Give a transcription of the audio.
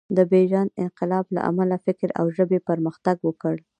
د پېژاند انقلاب له امله فکر او ژبې پرمختګ وکړ.